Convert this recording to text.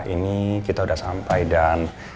ini kita sudah sampai dan